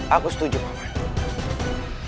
aku setuju paman